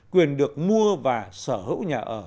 quyền được mua và sở hữu nhà ở